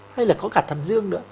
hay là có cả thận dương nữa